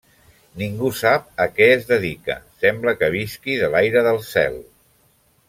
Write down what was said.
Ningú sap a què es dedica. Sembla que visqui de l'aire del cel.